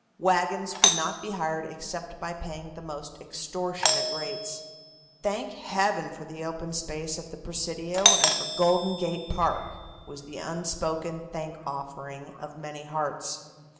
Wagons could not be hired except by paying the most extortionate rates. "Thank Heaven for the open space of the Presidio and for Golden Gate Park!" was the unspoken thank offering of many hearts.